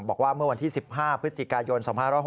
บอกว่าเมื่อวันที่๑๕พฤศจิกายน๒๕๖๖